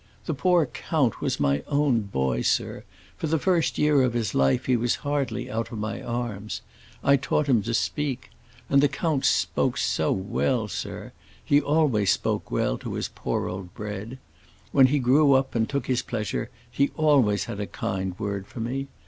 The poor count was my own boy, sir; for the first year of his life he was hardly out of my arms; I taught him to speak. And the count spoke so well, sir! He always spoke well to his poor old Bread. When he grew up and took his pleasure he always had a kind word for me.